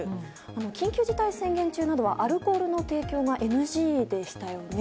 緊急事態宣言中などはアルコールの提供がＮＧでしたよね。